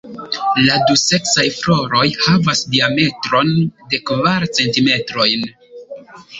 La duseksaj floroj havas diametron de kvar centimetrojn.